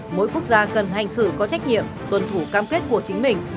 mỗi quốc gia cần hành xử có trách nhiệm tuân thủ cam kết của chính mình